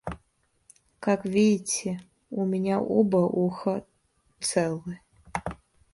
Как видите, у меня оба уха целы.